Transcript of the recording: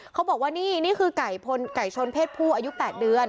เขาบอกว่านี่นี่คือไก่พลไก่ชนเพศผู้อายุ๘เดือน